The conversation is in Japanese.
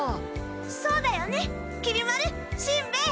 そうだよねきり丸しんべヱ！